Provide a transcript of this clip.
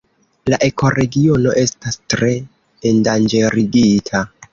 La ekoregiono estas tre endanĝerigita.